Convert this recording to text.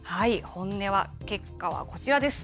本音は、結果はこちらです。